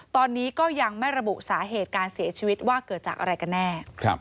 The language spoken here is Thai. ตอนนี้ก็ยังไม่ระบุสาเหตุการเสียชีวิตว่าเกิดจากอะไรกันแน่